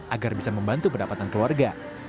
agar bisa membantu pendapatan keluarga